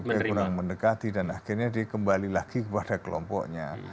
dia kurang mendekati dan akhirnya dia kembali lagi kepada kelompoknya